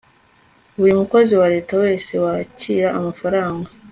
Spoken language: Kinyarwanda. buri mukozi wa leta wese wakira amafaranga